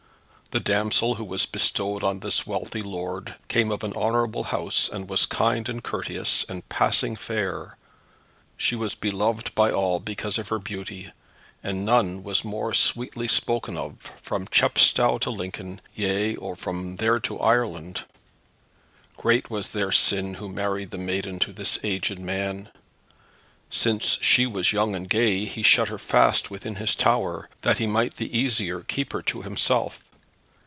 The damsel, who was bestowed on this wealthy lord, came of an honourable house, and was kind and courteous, and passing fair. She was beloved by all because of her beauty, and none was more sweetly spoken of from Chepstow to Lincoln, yea, or from there to Ireland. Great was their sin who married the maiden to this aged man. Since she was young and gay, he shut her fast within his tower, that he might the easier keep her to himself.